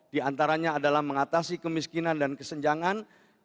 di antaranya adalah mengatasi kemiskinan dan kesenjangan